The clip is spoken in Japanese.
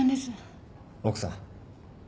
奥さん。